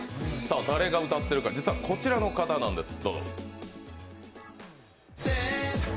誰が歌ってるか、実はこちらの方なんです。